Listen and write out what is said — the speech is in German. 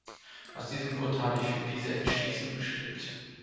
Aus diesem Grund habe ich für diese Entschließung gestimmt.